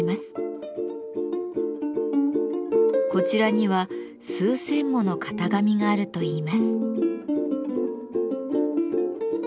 こちらには数千もの型紙があるといいます。